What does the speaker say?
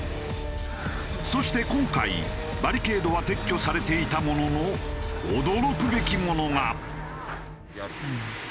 そして今回バリケードは撤去されていたものの驚くべきものが！